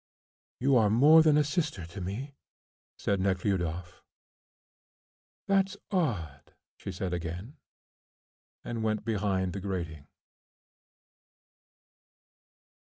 "You are more than a sister to me," said Nekhludoff. "That's odd," she said again, and went behind the grating.